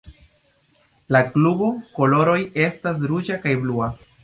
La klubo koloroj estas ruĝa kaj blua.